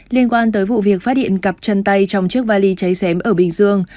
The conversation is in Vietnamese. liên quan tới vụ việc phát hiện cặp chân tay trong chiếc vali cháy xém ở bình dương